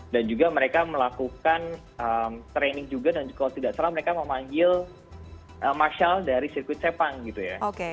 dan juga mereka melakukan training juga dan kalau tidak salah mereka memanggil marshall dari sirkuit cepang gitu ya